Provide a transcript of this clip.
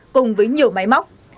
cùng với nhiều máy móc